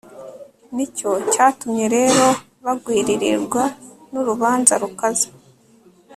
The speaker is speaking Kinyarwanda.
ni cyo cyatumye rero bagwiririrwa n'urubanza rukaze